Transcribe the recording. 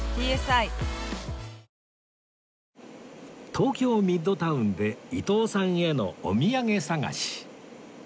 東京ミッドタウンで伊東さんへのお土産探し